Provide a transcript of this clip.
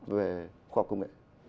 về khoa công nghệ